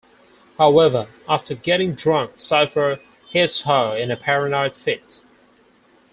However, after getting drunk, Cypher hits her in a paranoid fit.